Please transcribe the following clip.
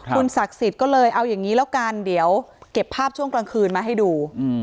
คุณศักดิ์สิทธิ์ก็เลยเอาอย่างนี้แล้วกันเดี๋ยวเก็บภาพช่วงกลางคืนมาให้ดู